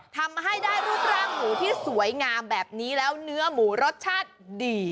ทำให้ได้รูปร่างหมูที่สวยงามแบบนี้แล้วเนื้อหมูรสชาติดี